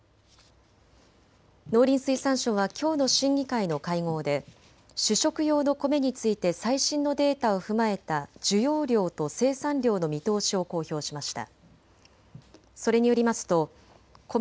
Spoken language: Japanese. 農林水産省はきょうの審議会の会合で主食用のコメについて最新のデータを踏まえた需要量と生産量の見通しを公表しました。